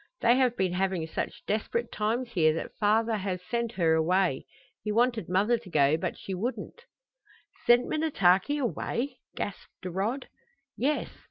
They have been having such desperate times here that father has sent her away. He wanted mother to go, but she wouldn't." "Sent Minnetaki away?" gasped Rod. "Yes.